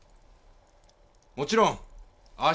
もちろんあ